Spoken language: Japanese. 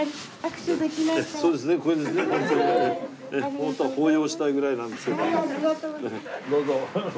ホントは抱擁したいぐらいなんですけども。